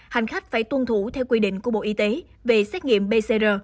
hành khách phải tuân thủ theo quy định của bộ y tế về xét nghiệm pcr